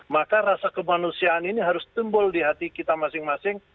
maka rasa kemanusiaan ini harus timbul di hati kita masing masing